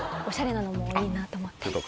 おしゃれなのもいいなと思って。